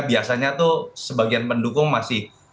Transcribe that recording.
biasanya tuh sebagian pendukung masih